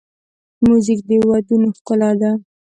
موزیک د ودونو ښکلا ده.